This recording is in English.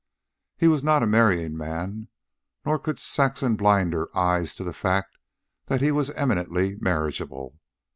He was not a marrying man; nor could Saxon blind her eyes to the fact that he was eminently marriageable.